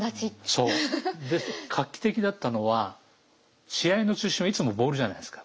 で画期的だったのは試合の中心はいつもボールじゃないですか。